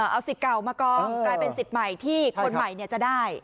เอาสิทธิ์เก่ามากองกลายเป็นสิทธิ์ใหม่ที่คนใหม่จะได้